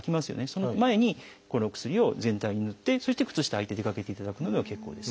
その前にこの薬を全体にぬってそして靴下はいて出かけていただくのでも結構です。